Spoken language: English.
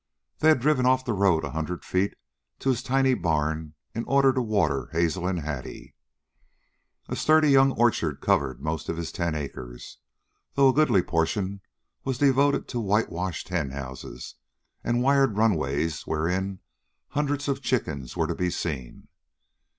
They had driven off the road a hundred feet to his tiny barn in order to water Hazel and Hattie. A sturdy young orchard covered most of his ten acres, though a goodly portion was devoted to whitewashed henhouses and wired runways wherein hundreds of chickens were to be seen.